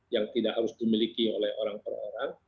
yang tidak harus dimiliki oleh orang per orang